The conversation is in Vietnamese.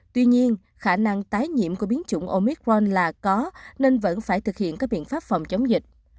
tuy nhiên khả năng tái nhiễm của biến chủng omicron là có nên vẫn phải thực hiện các biện pháp phòng chống dịch